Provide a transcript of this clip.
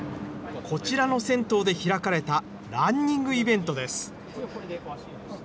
こちらの銭湯で開かれたランニングイベントです。